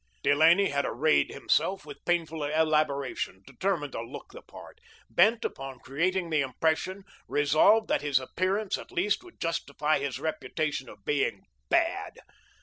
Delaney had arrayed himself with painful elaboration, determined to look the part, bent upon creating the impression, resolved that his appearance at least should justify his reputation of being "bad."